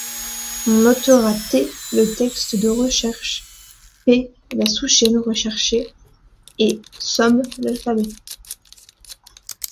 On notera T le texte de recherche, P la sous-chaîne recherchée et ∑ l'alphabet.